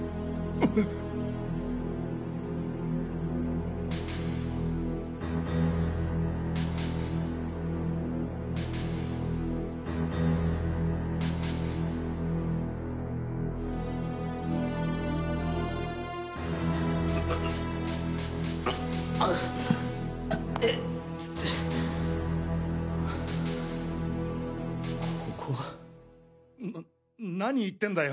うっいててここは？な何言ってんだよ！